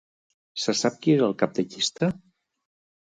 Se sap qui és el cap de llista?